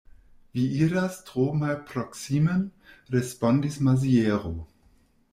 Vi iras tro malproksimen, respondis Maziero.